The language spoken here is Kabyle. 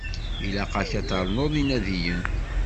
Ilaq-ak ad ternuḍ inadiyen.